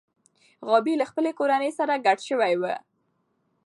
غابي له خپلې کورنۍ سره کډه شوې وه.